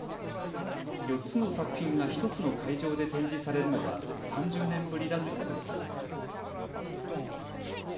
４つの作品が１つの会場で展示されるのは３０年ぶりだということです。